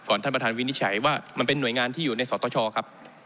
ท่านประธานวินิจฉัยว่ามันเป็นหน่วยงานที่อยู่ในสตชครับ